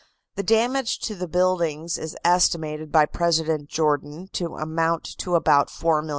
The damage to the buildings is estimated by President Jordan to amount to about $4,000,000.